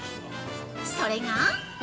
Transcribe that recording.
それが◆